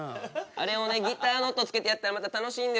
あれをねギターの音をつけてやったらまた楽しいんですよ。